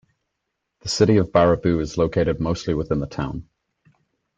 The City of Baraboo is located mostly within the town.